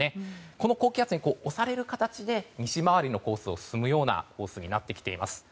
この高気圧に押される形で西回りのコースを進むようなコースになってきています。